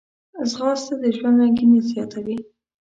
ځغاسته د ژوند رنګیني زیاتوي